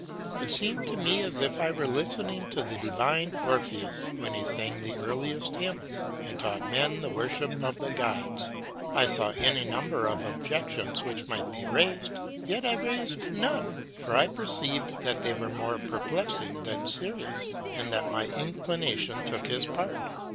It seemed to me as if I were listening to the divine Orpheus when he sang the earliest hymns and taught men the worship of the gods. I saw any number of objections which might be raised; yet I raised none, for I perceived that they were more perplexing than serious, and that my inclination took his part.